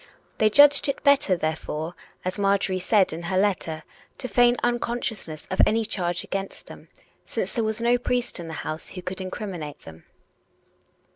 They judged it better, therefore, as Marjorie said in her letter, to feign unconsciousness of any charge against them, since there was no priest in the house who could incriminate them.